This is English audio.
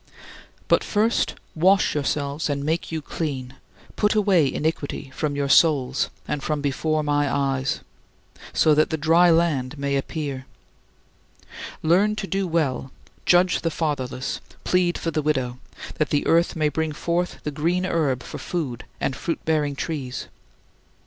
But, first, "wash yourselves and make you clean; put away iniquity from your souls and from before my eyes" so that "the dry land" may appear. "Learn to do well, judge the fatherless, plead for the widow," that the earth may bring forth the green herb for food and fruit bearing trees.